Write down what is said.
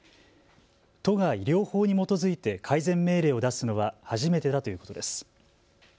都が医療法に基づいて改善命令を出すのは初めてだということです。